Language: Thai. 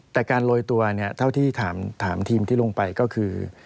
แต่การโรยตัวเนี่ยเท่าที่ถามทีมที่ลงไปก็คือ